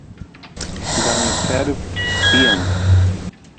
bañu karup tiyan